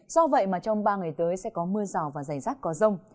do vậy trong ba ngày tới sẽ có mưa rào và giải rác có rông